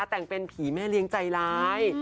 แต่งเป็นผีแม่เลี้ยงใจร้าย